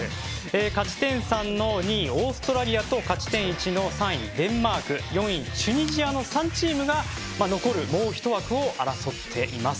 勝ち点３の２位オーストラリアと勝ち点１の３位デンマーク４位チュニジアの３チームが残るもうひと枠を争っています。